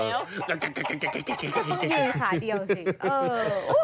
ต้องเงยขาเดียวสิ